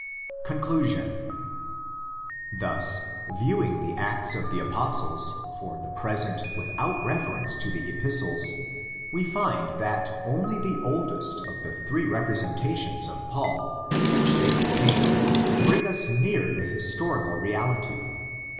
Conclusion. Thus, viewing the Acts of the Apostles for the present without reference to the Epistles, we find that only the oldest of the three representations of Paul which they contain brings us near the historical reality.